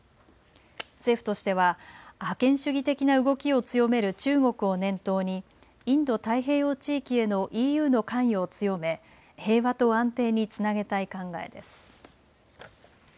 政府としては覇権主義的な動きを強める中国を念頭にインド太平洋地域へのＥＵの関与を強め平和と安定につなげたい考えです。